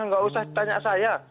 nggak usah tanya saya